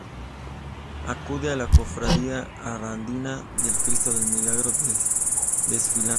Acude la cofradía arandina del Cristo del Milagro, desfilando.